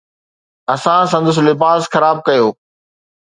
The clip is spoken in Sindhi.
اسان سندس لباس خراب ڪيو.